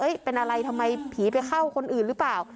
เป็นอะไรทำไมผีไปเข้าคนอื่นหรือเปล่า